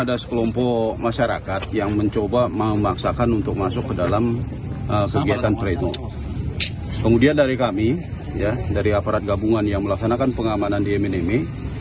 aparat keamanan yang melaksanakan pengamanan di eme neme